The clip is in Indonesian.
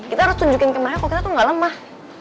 kita harus tunjukin ke mereka kok kita tuh gak lemah